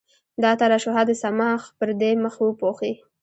دا ترشحات د صماخ پردې مخ وپوښي.